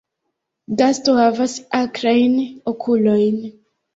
Gasto havas akrajn okulojn.